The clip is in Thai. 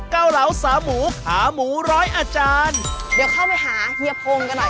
เกาเหลาสาหมูขาหมูร้อยอาจารย์เดี๋ยวเข้าไปหาเฮียพงกันหน่อย